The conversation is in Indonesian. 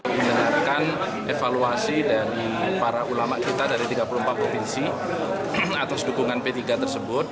mendengarkan evaluasi dari para ulama kita dari tiga puluh empat provinsi atas dukungan p tiga tersebut